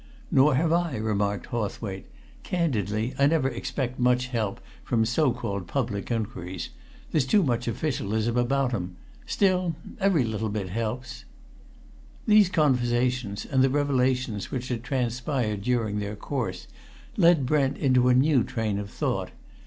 "Nor have I!" remarked Hawthwaite. "Candidly, I never expect much from so called public inquiries. There's too much officialism about 'em. Still, every little helps." These conversations, and the revelations which had transpired during their course led Brent into a new train of thought.